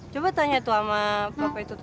coba tanya tuh sama papa itu tuh